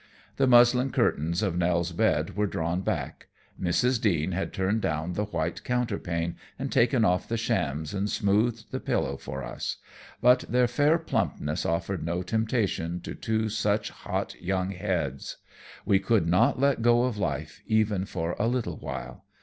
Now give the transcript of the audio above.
The muslin curtains of Nell's bed were drawn back; Mrs. Deane had turned down the white counterpane and taken off the shams and smoothed the pillows for us. But their fair plumpness offered no temptation to two such hot young heads. We could not let go of life even for a little while.